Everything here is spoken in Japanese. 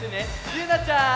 ゆうなちゃん！